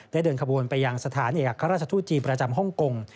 ได้เดินขบวนไปยังสถานเอกราชธูจีประจำฮ่องกง